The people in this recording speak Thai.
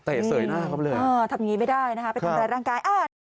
ทำงี้ไม่ได้นะครับ